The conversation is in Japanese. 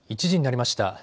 １時になりました。